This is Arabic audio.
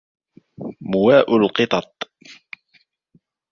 مواء القطط